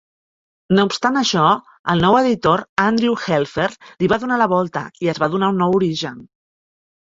No obstant això, el nou editor Andrew Helfer li va donar la volta i es va donar un nou origen.